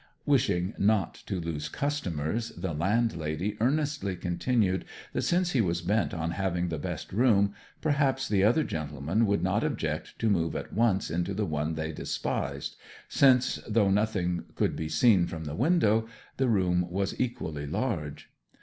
Wishing not to lose customers, the landlady earnestly continued that since he was bent on having the best room, perhaps the other gentleman would not object to move at once into the one they despised, since, though nothing could be seen from the window, the room was equally large.